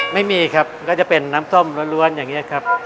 ไม่มีครับก็จะเป็นน้ำส้มล้วนอย่างนี้ครับ